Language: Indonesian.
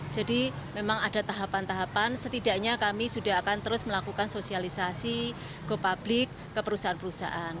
jadi memang ada tahapan tahapan setidaknya kami sudah akan terus melakukan sosialisasi go publik ke perusahaan perusahaan